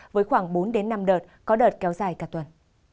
với khoảng bốn đến năm đợt có đợt kéo dài cả tuần